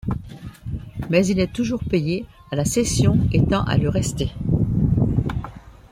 Mais il est toujours payé à la session et tend à le rester.